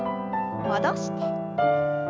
戻して。